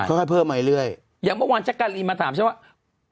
อย่างเมื่อวันชะการีมาถามฉันเป็นว่า